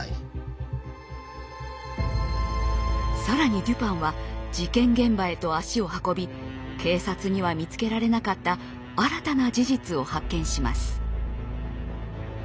更にデュパンは事件現場へと足を運び警察には見つけられなかった新たな事実を発見します。